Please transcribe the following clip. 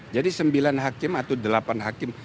jadi sembilan hakim atau delapan hakim